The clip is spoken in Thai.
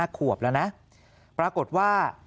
ขวบแล้วนะปรากฏว่า